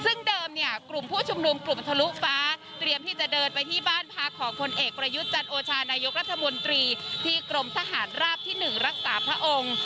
ซึ่งเดิมเนี่ยกลุ่มผู้ชุมนุมกลุ่มทะลุฟ้าเตรียมที่จะเดินไปที่บ้านพักของพลเอกประยุทธ์จันโอชานายกรัฐมนตรีที่กรมทหารราบที่๑รักษาพระองค์